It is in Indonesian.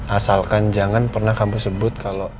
asalkan jangan pernah kamu sebut kalau